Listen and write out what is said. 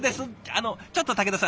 あのちょっと竹田さん